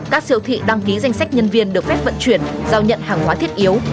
các siêu thị đăng ký danh sách nhân viên được phép vận chuyển giao nhận hàng hóa thiết yếu